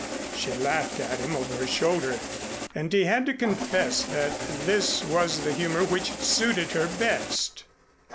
She laughed at him over her shoulder, and he had to confess that this was the humor which suited her best.